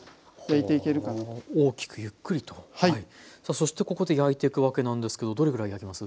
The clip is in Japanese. そしてここで焼いていくわけなんですけどどれぐらい焼きます？